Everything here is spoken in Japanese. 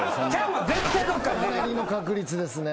かなりの確率ですね。